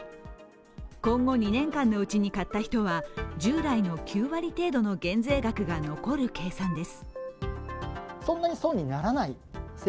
今後２年間のうちに買った人は従来の９割程度の減税額が残る計算です。